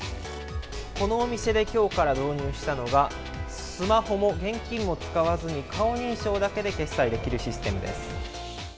このお店で今日から導入したのがスマホも現金も使わずに顔認証だけで決済できるシステムです。